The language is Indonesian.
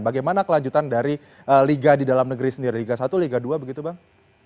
bagaimana kelanjutan dari liga di dalam negeri sendiri liga satu liga dua begitu bang